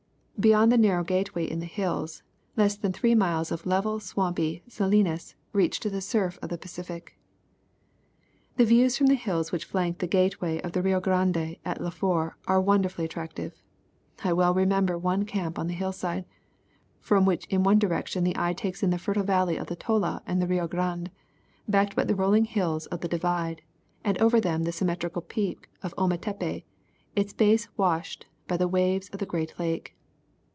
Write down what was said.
Beyond the narrow gateway in the hills, less than three miles of level swampy salinas reach to the surf of the Pacific. The views from the hills which flank the gateway of the Rio Grande, at La Flor, are wonderfully attractive. I well remember one camp on the hillside, from which in one direction the eye takes in the fertile valley of the Tola and Rio Grande, backed by the rolling hills of the " Divide " and over them the symmetrical peak of Ometepe, its base washed by the waves of the great lake.